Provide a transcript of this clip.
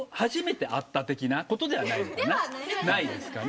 初めて会った的なことではない？ではないです。